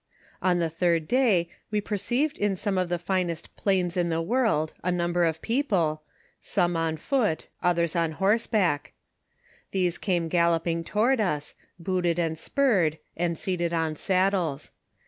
On the third day we perceived vu ,iome of the finest plains in the world a number of people, Home on fout, oflicrs on horseback; these came galloping toward us, booted and spur red, and seated on saddles.